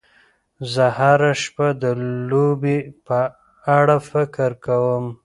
زه هره شپه د لوبې په اړه فکر کوم.